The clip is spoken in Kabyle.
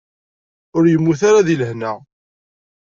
Ur yemmut ara deg lehna.